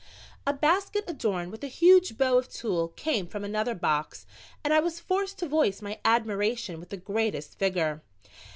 A basket adorned with a huge bow of tulle came from another box and I was forced to voice my admiration with the greatest vigor.